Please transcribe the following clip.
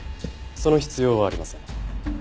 その必要はありません。